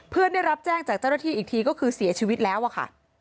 ได้รับแจ้งจากเจ้าหน้าที่อีกทีก็คือเสียชีวิตแล้วอะค่ะ